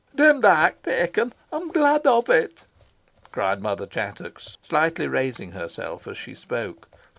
"Demdike taken! I am glad of it," cried Mother Chattox, slightly raising herself as she spoke.